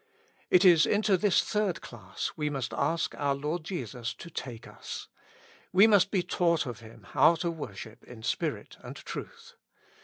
It is into this third class we must ask our Lord Jesus to take us ; we must be taught of Him how to worship in spirit and truth.